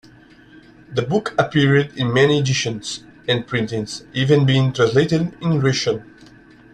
The book appeared in many editions and printings, even being translated in Russian.